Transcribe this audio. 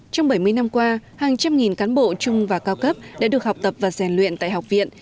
trong bảy mươi năm qua hàng trăm nghìn cán bộ trung và cao cấp đã được học tập và rèn luyện tại học viện